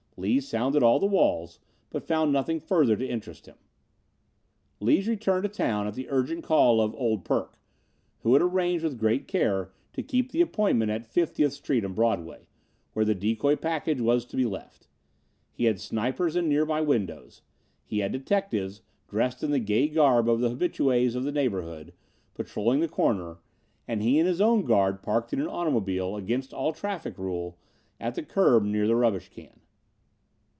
Lees sounded all the walls, but found nothing further to interest him. Lees returned to town at the urgent call of "Old Perk," who had arranged with great care to keep the appointment at 50th street and Broadway, where the decoy package was to be left. He had snipers in nearby windows. He had detectives, dressed in the gay garb of the habitues of the neighborhood, patrolling the corner, and he and his own guard parked an automobile, against all traffic rule, at the curb near the rubbish can.